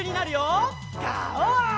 ガオー！